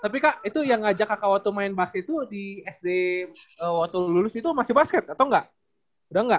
tapi kak itu yang ngajak kakak waktu main basket itu di sd waktu lulus itu masih basket atau enggak udah enggak